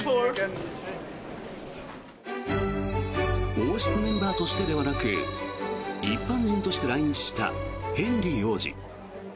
王室メンバーとしてではなく一般人として来日したヘンリー王子。